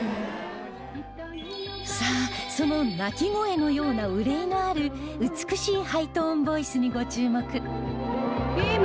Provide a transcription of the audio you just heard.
さあその泣き声のような憂いのある美しいハイトーンボイスにご注目